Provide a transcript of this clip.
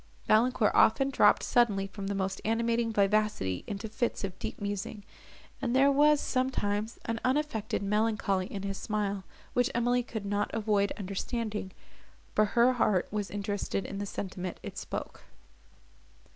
Valancourt often dropped suddenly from the most animating vivacity into fits of deep musing, and there was, sometimes, an unaffected melancholy in his smile, which Emily could not avoid understanding, for her heart was interested in the sentiment it spoke.